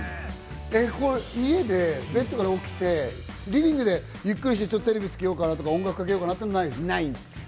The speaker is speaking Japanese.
家でベッドから起きてリビングでゆっくりして、テレビつけようかなとか音楽かけようかなってないんですか？